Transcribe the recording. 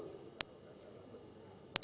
kita harus berkembang